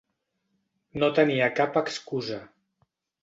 No tenia cap excusa.